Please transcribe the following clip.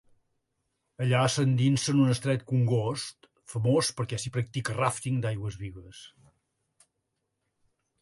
Allà s'endinsa en un estret congost, famós perquè s'hi practica ràfting d'aigües vives.